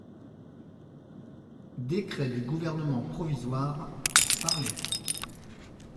Décret du Gouvernement provisoire…" Parlé.